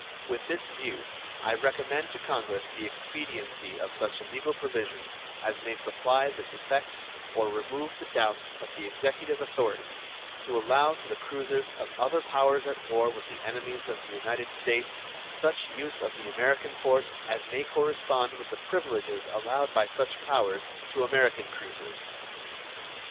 With this view, I recommend to Congress the expediency of such legal provisions as may supply the defects or remove the doubts of the Executive authority, to allow to the cruisers of other powers at war with enemies of the United States such use of the American ports as may correspond with the privileges allowed by such powers to American cruisers.